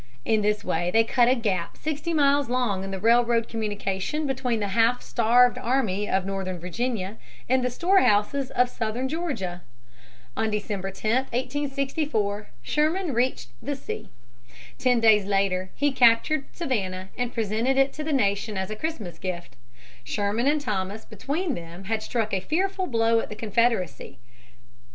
In this way they cut a gap sixty miles long in the railroad communication between the half starved army of northern Virginia and the storehouses of southern Georgia. On December 10, 1864, Sherman reached the sea. Ten days later he captured Savannah and presented it to the nation as a Christmas gift. Sherman and Thomas between them had struck a fearful blow at the Confederacy.